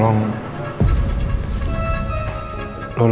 lo lakuin sesuatu buat elsa